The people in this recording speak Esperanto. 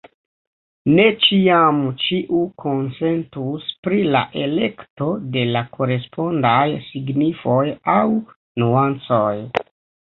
Ne ĉiam ĉiu konsentus pri la elekto de la korespondaj signifoj aŭ nuancoj.